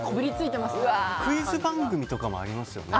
クイズ番組とかもありますよね。